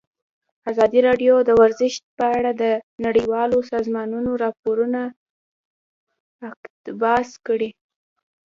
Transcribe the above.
ازادي راډیو د ورزش په اړه د نړیوالو سازمانونو راپورونه اقتباس کړي.